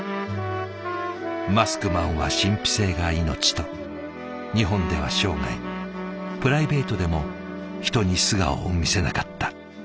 「マスクマンは神秘性が命」と日本では生涯プライベートでも人に素顔を見せなかった。